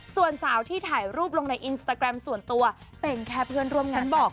ส่วนสาวที่ถ่ายรูปลงในอินสตาแกรมส่วนตัวเป็นแค่เพื่อนร่วมงานบอก